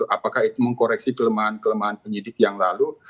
apakah itu mengkoreksi kelemahan kelemahan penyidik yang lalu